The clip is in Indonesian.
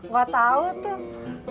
gak tau tuh